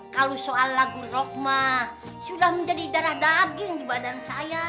kalau soal lagu rokmah sudah menjadi darah daging di badan saya